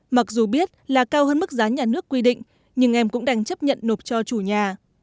mặc dù biết là cao hơn mức giá nhà nước quy định nhưng em cũng đành chấp nhận nộp cho chủ nhà